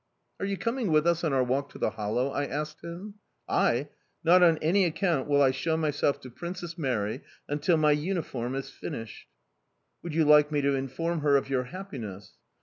"Are you coming with us on our walk to the hollow?" I asked him. "I? Not on any account will I show myself to Princess Mary until my uniform is finished." "Would you like me to inform her of your happiness?"